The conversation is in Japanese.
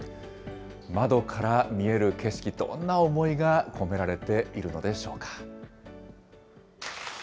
窓から見える景色、どんな思いが込められているのでしょうか。